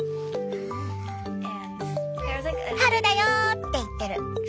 「春だよ！」って言ってる。